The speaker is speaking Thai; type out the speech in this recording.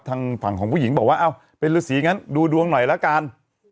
ทางฝั่งของผู้หญิงบอกว่าเอ้าเป็นฤษีงั้นดูดวงหน่อยละกัน